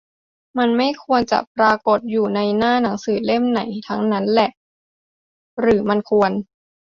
มันไม่ควรจะปรากฎอยู่ในหน้าหนังสือเล่มไหนทั้งนั้นแหละ หรือมันควร